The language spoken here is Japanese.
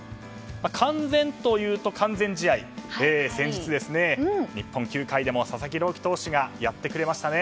完全というと、完全試合先日、日本球界でも佐々木朗希投手がやってくれましたね。